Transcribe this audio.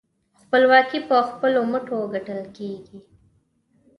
خپلواکي په خپلو مټو ګټل کېږي.